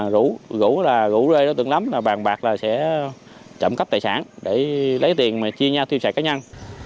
rủ lê và đối tượng lắm bàn bạc trộm cắp tài sản để lấy tiền chia nhau tiêu sài cá nhân